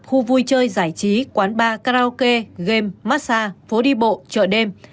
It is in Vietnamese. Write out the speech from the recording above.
khu vui chơi giải trí quán bar karaoke game massage phố đi bộ chợ đêm